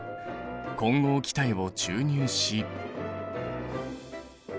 混合気体を注入し。